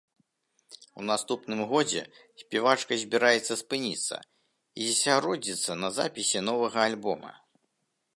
У наступным годзе спявачка збіраецца спыніцца і засяродзіцца на запісе новага альбома.